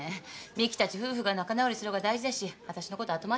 美樹たち夫婦が仲直りする方が大事だし私のこと後回しでさ。